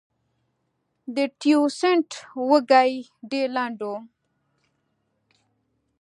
د تیوسینټ وږی ډېر لنډ و.